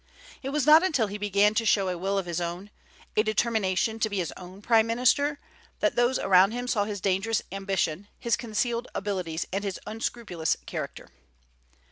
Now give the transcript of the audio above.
It was not until he began to show a will of his own, a determination to be his own prime minister, that those around him saw his dangerous ambition, his concealed abilities, and his unscrupulous character.